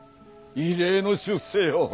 異例の出世よ。